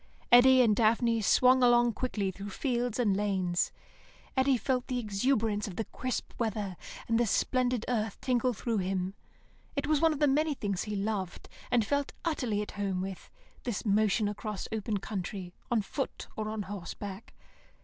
Eddy and Daphne swung along quickly through fields and lanes. Eddy felt the exuberance of the crisp weather and the splendid earth tingle through him. It was one of the many things he loved, and felt utterly at home with, this motion across open country, on foot or on horse back.